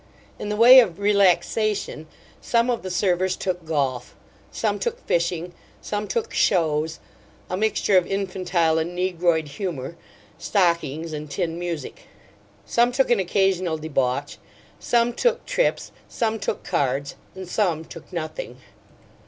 In the way of "relaxation" some of the servers took golf; some took fishing; some took "shows" a mixture of infantile and negroid humor, stockings, and tin music; some took an occasional debauch; some took trips; some took cards; and some took nothing.